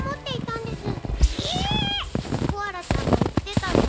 コアラちゃんがいってたの。